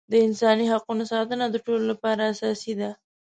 د انساني حقونو ساتنه د ټولو لپاره اساسي ده.